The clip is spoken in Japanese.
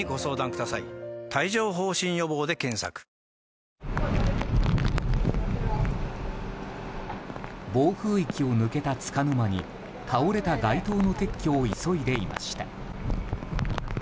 ニトリ暴風域を抜けたつかの間に倒れた街灯の撤去を急いでいました。